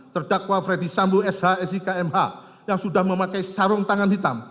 terdakwa ferdi sambo shsi kmh yang sudah memakai sarung tangan hitam